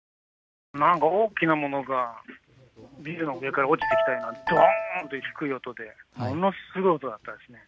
大きなものがビルの上から落ちてきたようなどんと低い音でものすごい音だったです。